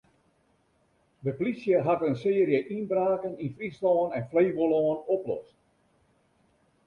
De plysje hat in searje ynbraken yn Fryslân en Flevolân oplost.